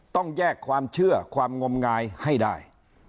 ต้องแยกความเชื่อความงมงายให้ได้